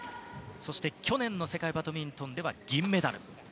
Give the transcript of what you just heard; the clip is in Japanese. そして去年の世界バドミントンで銀メダル。